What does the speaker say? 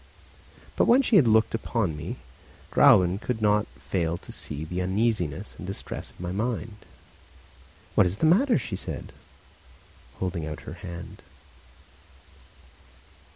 But when she had looked upon me, Gräuben could not fail to see the uneasiness and distress of my mind. "What is the matter?" she said, holding out her hand.